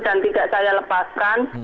dan tidak saya lepaskan